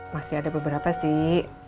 masih ada beberapa sih